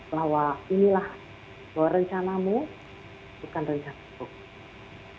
bahwa inilah rencanamu bukan rencana tuhan